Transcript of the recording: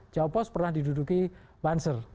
jawa post pernah diduduki banser